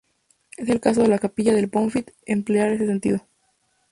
Es el caso de la Capilla del Bonfim ejemplar en ese sentido.